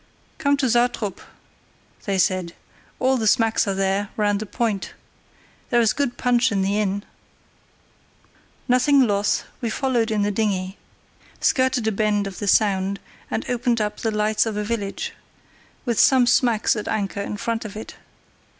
"Come to Satrup," they said; "all the smacks are there, round the point. There is good punch in the inn." Nothing loth, we followed in the dinghy, skirted a bend of the Sound, and opened up the lights of a village, with some smacks at anchor in front of it.